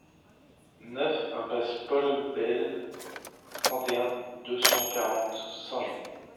neuf iMPASSE PAUL BAYLE, trente et un, deux cent quarante, Saint-Jean